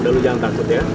udah lu jangan takut ya